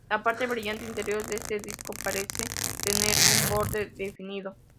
La parte brillante interior de este disco parece tener un borde definido.